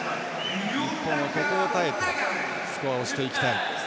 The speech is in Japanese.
日本はここを耐えてスコアを押していきたい。